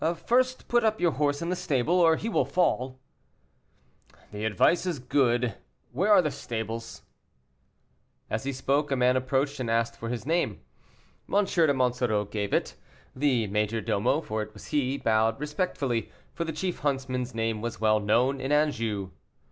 "First put your horse in the stable, or he will fall." "The advice is good; where are the stables?" As he spoke a man approached and asked for his name. M. de Monsoreau gave it. The major domo (for it was he) bowed respectfully, for the chief huntsman's name was well known in Anjou.